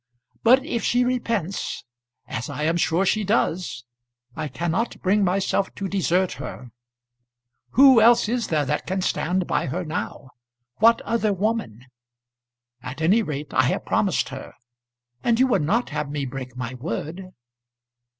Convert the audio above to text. But if she repents, as I am sure she does, I cannot bring myself to desert her. Who else is there that can stand by her now; what other woman? At any rate I have promised her, and you would not have me break my word."